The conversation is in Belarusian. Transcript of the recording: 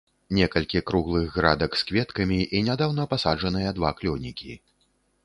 Некалькі круглых градак з кветкамі, і нядаўна пасаджаныя два клёнікі.